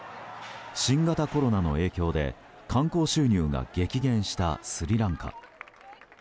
新型コロナの影響で観光収入が激減したスリランカ。